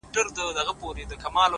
د حقیقت مینه دروغ کمزوري کوي’